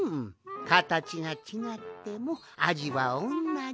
かたちがちがってもあじはおんなじ。